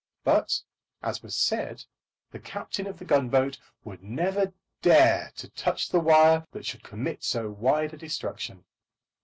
But, as was said, the captain of the gunboat would never dare to touch the wire that should commit so wide a destruction.